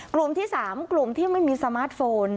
กลุ่มที่๓กลุ่มที่ไม่มีสมาร์ทโฟน